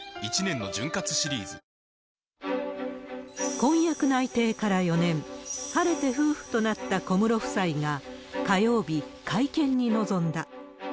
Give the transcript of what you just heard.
婚約内定から４年、晴れて夫婦となった小室夫妻が火曜日、会見に臨んだ。